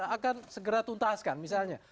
akan segera tuntaskan misalnya